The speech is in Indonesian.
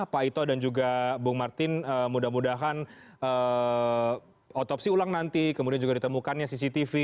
pak ito dan juga bung martin mudah mudahan otopsi ulang nanti kemudian juga ditemukannya cctv